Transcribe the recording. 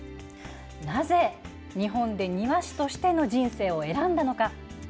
なぜ日本で庭師としての人生を選んだのか。